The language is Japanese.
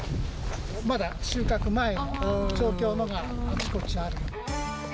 まだ収穫前の状況のが、あちこちにある。